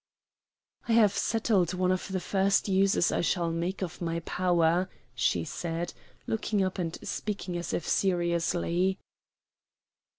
"I have settled one of the first uses I shall make of my power," she said, looking up and speaking as if seriously.